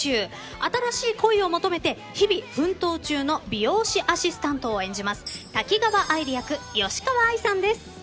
新しい恋を求めて日々奮闘中の美容師アシスタントを演じます滝川愛梨役吉川愛さんです。